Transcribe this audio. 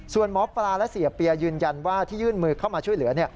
ส่วนหมอปลาและเสียเปียยืนยันว่าที่ยื่นมือเข้ามาช่วยเหลือ